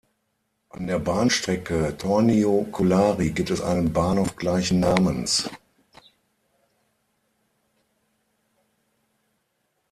An der Bahnstrecke Tornio–Kolari gibt es einen Bahnhof gleichen Namens.